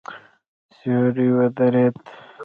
سیوری ودرېد.